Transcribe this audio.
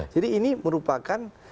jadi ini merupakan